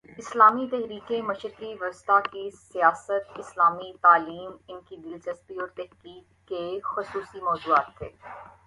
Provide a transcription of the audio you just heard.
اسلامی تحریکیں، مشرق وسطی کی سیاست، اسلامی تعلیم، ان کی دلچسپی اور تحقیق کے خصوصی موضوعات تھے۔